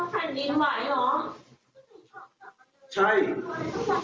แต่เวลาที่ดีขันแดดหรับพี่โอ้ยที่ดูดึงปั๊ะจริงเหรอ